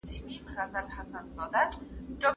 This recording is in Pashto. ساحلي سیمې د ناروغۍ مرکزونه دي.